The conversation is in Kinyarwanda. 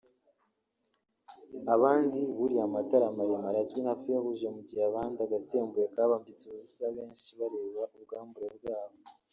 abandi buriye amatara maremare azwi nka Feux Rouge mu gihe abandi agasembuye kabambitse ubusa benshi bareba ubwambure bwabo